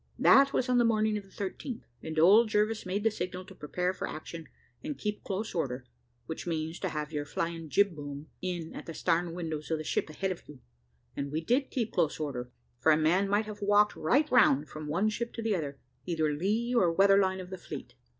That was on the morning of the 13th, and old Jervis made the signal to prepare for action, and keep close order, which means, to have your flying jib boom in at the starn windows of the ship ahead of you; and we did keep close order, for a man might have walked right round from one ship to the other, either lee or weather line of the fleet.